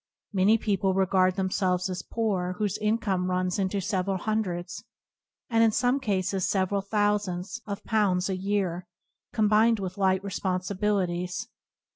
Many people re gard themselves as poor whose income runs into several hundreds, and in some cases several thousands, of pounds a year, com bined with light responsibilities.